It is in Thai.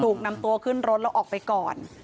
ถูกนำตัวขึ้นรถแล้วออกไปก่อน